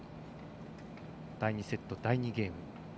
第２セット、第２ゲーム。